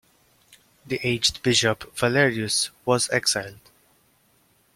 The aged bishop Valerius was exiled.